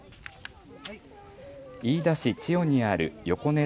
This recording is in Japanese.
飯田市千代にあるよこね